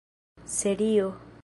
serio